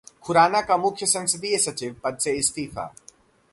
खुराना का मुख्य संसदीय सचिव पद से इस्तीफा